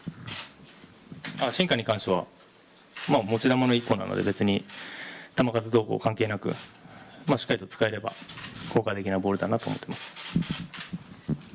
シンカーに関しては持ち球の一個なので、別に球数どうこう関係なく、しっかりと使えれば効果的なボールだなと思っています。